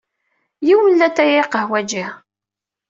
Yiwen n latay, ay aqehwaǧi.